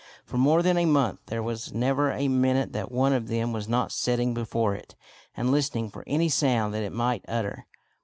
For more than a month there was never a minute that one of them was not sitting before it, and listening for any sound that it might utter.